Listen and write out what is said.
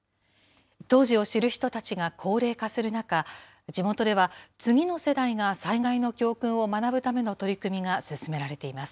当時を知る人たちが高齢化する中、地元では、次の世代が災害の教訓を学ぶための取り組みが進められています。